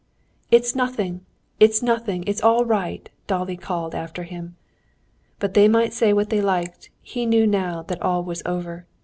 "It's nothing, it's nothing, it's all right," Dolly called after him. But they might say what they liked, he knew now that all was over.